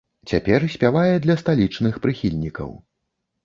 Цяпер спявае для сталічных прыхільнікаў.